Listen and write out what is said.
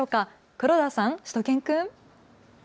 黒田さん、しゅと犬くん。